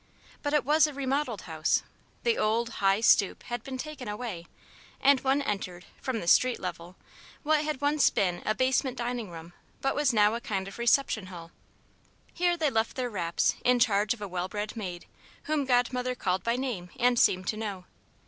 But it was a remodelled house; the old, high "stoop" had been taken away, and one entered, from the street level, what had once been a basement dining room but was now a kind of reception hall. Here they left their wraps in charge of a well bred maid whom Godmother called by name and seemed to know.